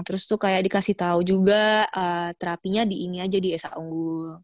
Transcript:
terus tuh kayak dikasih tahu juga terapinya di ini aja di esa unggul